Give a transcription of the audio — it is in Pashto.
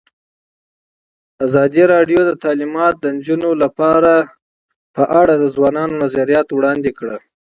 ازادي راډیو د تعلیمات د نجونو لپاره په اړه د ځوانانو نظریات وړاندې کړي.